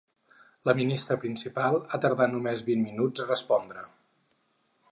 La ministra principal ha tardat només vint minuts a respondre.